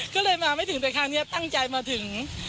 ก็เลยมาไม่ถึงแต่ครั้งนี้ตั้งใจมาถึง